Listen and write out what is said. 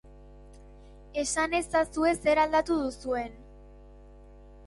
Esan ezazue zer aldatu duzuen.